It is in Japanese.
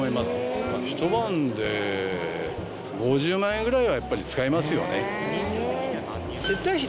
ひと晩で５０万円ぐらいはやっぱり使いますよね。